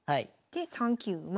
で３九馬。